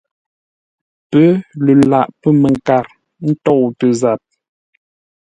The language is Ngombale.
Pə́ lə laghʼ pə̂ mənkar ntôutə zap.